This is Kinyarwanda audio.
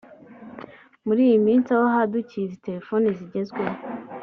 Muri iyi minsi aho hadukiye izi telefoni zigezweho